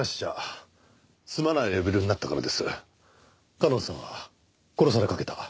夏音さんは殺されかけた。